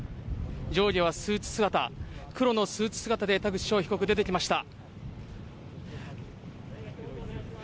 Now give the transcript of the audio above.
上下はスーツ姿黒のスーツ姿で田口翔被告出てきました。